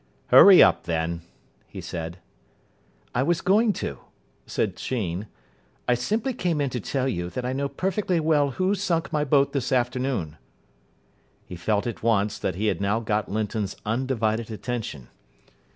"Hurry up, then," he said. "I was going to," said Sheen. "I simply came in to tell you that I know perfectly well who sunk my boat this afternoon." He felt at once that he had now got Linton's undivided attention.